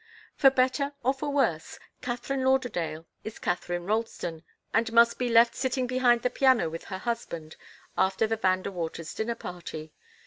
For better, or for worse, Katharine Lauderdale is Katharine Ralston, and must be left sitting behind the piano with her husband after the Van De Waters' dinner party.